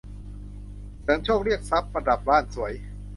เสริมโชคเรียกทรัพย์ประดับบ้านสวย